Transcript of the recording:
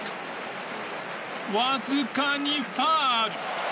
わずかにファウル。